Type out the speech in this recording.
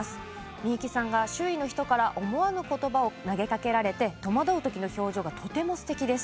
ミユキさんが周囲の人から思わぬ言葉を投げかけられて戸惑う時の表情がとてもすてきです。